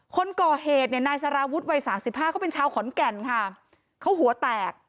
คนก่อเหตุนายสารวุฒิวัย๓๕เขาเป็นชาวขอนแก่นค่ะเขาหัวแตก